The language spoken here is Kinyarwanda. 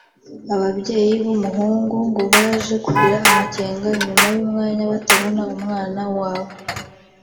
Ababyeyi b’umuhungu ngo baje kugira amakenga nyuma y’umwanya batabona umwana wabo